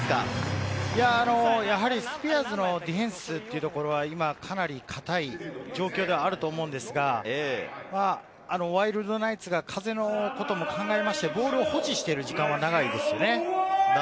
やはりスピアーズのディフェンスは、かなり堅い状況ではあるのですが、ワイルドナイツが風のことも考えて、ボールを保持している時間が長いんですよね。